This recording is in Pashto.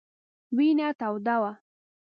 وینه توده وه.